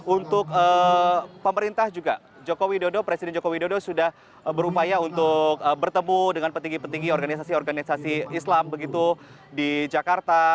untuk pemerintah juga joko widodo presiden joko widodo sudah berupaya untuk bertemu dengan petinggi petinggi organisasi organisasi islam begitu di jakarta